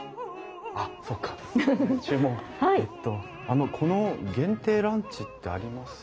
あのこの限定ランチってあります？